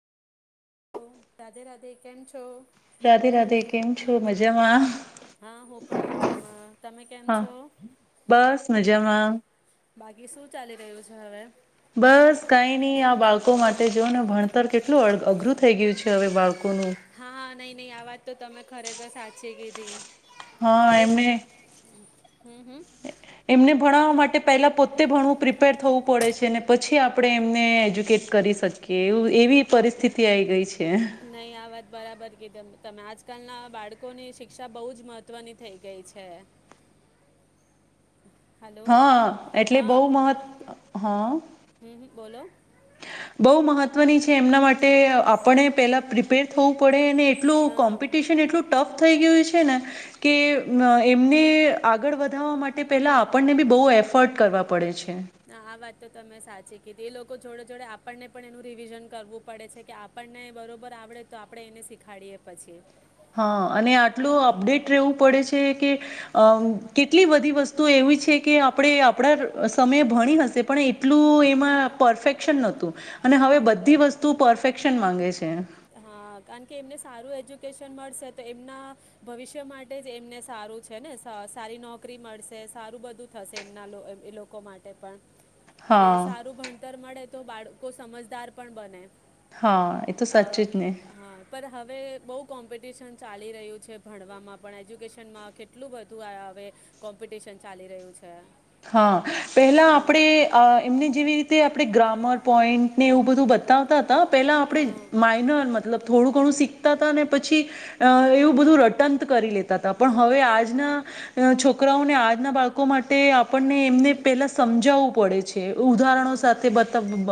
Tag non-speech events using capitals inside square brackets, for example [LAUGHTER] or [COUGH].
Hello Radhe, Radhe, કેમ છો? રાધે રાધે કેમ છો? મજામાં હા હું પણ મજામાં તમે કેમ હા છો? બસ મજામાં. બાકી શું ચાલી રહ્યું છે હવે? બસ કઈ નહી આ બાળકો માટે જો ને ભણતર કેટલું અઘ અઘરું થઈ ગયું છે હવે બાળક કો નું. નહી નહી આ વાત તો તમે ખરેખર સાચી કીધી. હા હવે એમને હમ હમ એમને ભણવા માટ ટે પહેલા પોતે ભણવું પ્રિપેર થવું પડે છે ને પછી આપણે એમને એજ્યુકેટ કરી શકીએ એ એવી પરિસ્થિતિ આવી ગઈ છે. નહી આ વાત બરાબર ક તમેને. તમે આજકાલના બાળકોની શિક્ષા બહુ જ મહત્વની થઈ ગઈ છે. હલો. હા એટલે બહુ હા મહત્ હા. હમ હમ બોલો બહુ મહત્વની છે, એમના માટે એટલ હા. કોમ્પિટિશન એટલું ટફ. થઈ ગયું છે, ને કે એમને આગળ વધાવવા માટે પેલા આપણને બી બહુ એફર્ટ કરવા પડે છે. [UNINTELLIGIBLE] તો તમે સાચી કે એ લોકો જોડે જોડે આપણને પણ એનું રિવિઝન કરવું પડે છે, કે આપણને બરોબર આવડે તો આપણે એને શીખાડીએ પછી. હા અને આટલું અપડેટ રહેવું પડે છે, કે કેટલી બધી વસ્તુ એવી છે, કે આપણે કારણ કે એમને સારું એજ્યુકેશન મળશે તો એમના ભવિષ્ય માટે જ એમને સારું છે, ને સારી નોકરી મળશે સારું બધું થશે એમના એ લોકો માટે પણ હા અને સારું ભણતર મળે. તો બાળકો સમજદાર પણ બને હા એ તો અ, સાચ હા પણ હવે બઉ કોમ્પ કોમ્પિટિશન ચાલી રહ્યું છે, ભણવામાં પણ એજ્યુકેશનમાં કેટલું બધું હવે કોમ્પિટિશન ચાલી રહ્યું છે. હા પેલા હમ આપણે એમને જેવી રીતે. આપણે ગ્રામર પોઈન્ટને એવું બધું બતાવતા હતા. પેલા આપણે હા માઇનર મતલબ. થોડું ઘણું શીખતા હતા ને પછી એવું બધું રટંત કરી લેતા હતા પણ હવે આજના છોકરાઓને આજના બાળકો માટે આપણને એમને પેલા સમજાવવું પડે છે. ઉદાહરણો હા [UNINTELLIGIBLE] બ